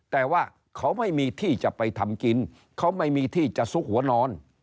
แต่ว่าเขาไม่มีที่จะไปทำกินเขาไม่มีที่จะซุกหัวนอน